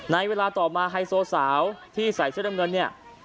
ในเวลาต่อมาไฮโซสาวที่ใส่เสื้อน้ำเงินเนี่ย